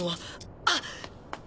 あっ！